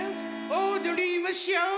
おどりましょ。